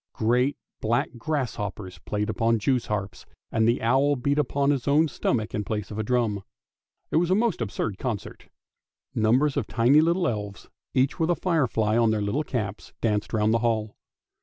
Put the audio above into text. Great black gr ss hoppers plaved upon Jews' harps, and the owl beat upon his own stomach in place of a drum. It was a most absurd concert. Numbers of tiny little elves, each with a firefly on their little caps, danced round the hall.